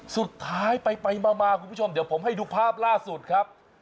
สุดท้ายไปมาคุณผู้ชมเดี๋ยวผมให้ดูภาพล่าสุดครับ